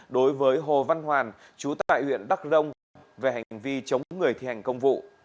đối với hồ văn hoàn chú tại huyện đắc rông về hành vi chống người thi hành công vụ